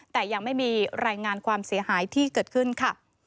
แต่ยังไม่มีรายงานความเสียหายที่เกิดขึ้นค่ะ